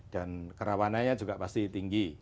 dan kerawanannya juga pasti tinggi